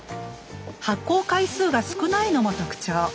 発酵回数が少ないのも特徴。